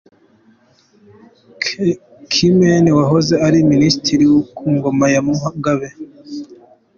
Chimene wahoze ari ministre ku ngoma ya Mugabe.